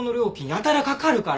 やたらかかるから。